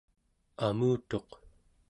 amutuq